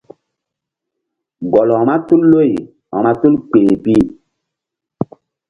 Gɔl vba tul loy vba tul kpeh pi.